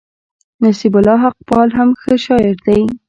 نصيب الله حقپال هم ښه شاعر دئ.